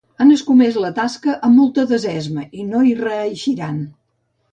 Han escomès la tasca amb molta desesma, i no hi reeixiran.